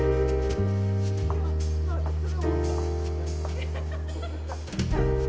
アハハハハ！